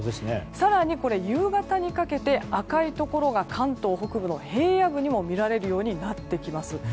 更に夕方にかけて赤いところが関東北部の平野部にもみられるようになってきます。